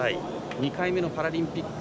２回目のパラリンピック。